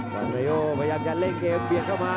วันเรโอพยายามจะเล่นเกมเบียดเข้ามา